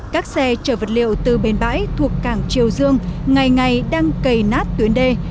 các xe chở vật liệu từ bên bãi thuộc cảng triều dương ngày ngày đang cầy nát tuyến đê